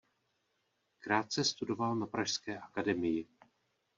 Krátce studoval na pražské Akademii.